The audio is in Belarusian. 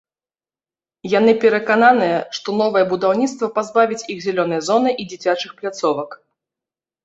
Яны перакананыя, што новае будаўніцтва пазбавіць іх зялёнай зоны і дзіцячых пляцовак.